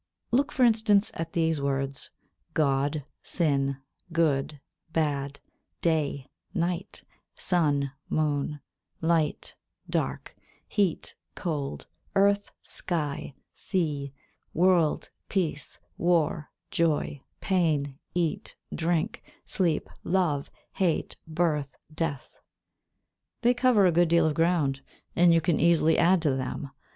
Look, for instance, at these words: God, sin, good, bad, day, night, sun, moon, light, dark, heat, cold, earth, sky, sea, world, peace, war, joy, pain, eat, drink, sleep, love, hate, birth, death. They cover a good deal of ground, and you can easily add to them.